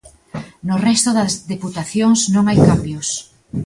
No resto das deputacións non hai cambios.